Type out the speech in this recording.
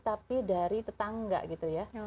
tapi dari tetangga gitu ya